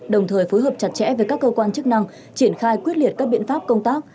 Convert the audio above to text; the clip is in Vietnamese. đồng thời phối hợp chặt chẽ với các cơ quan chức năng triển khai quyết liệt các biện pháp công tác